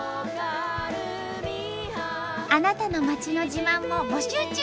あなたの町の自慢も募集中！